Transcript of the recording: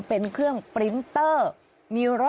เป็นเครื่องปรินเตอร์